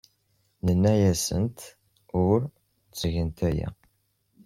Nenna-asent ur ttgent aya.